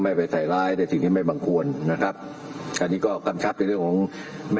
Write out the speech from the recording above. มีศาสตราจารย์พิเศษวิชามหาคุณเป็นประเทศด้านกรวมความวิทยาลัยธรม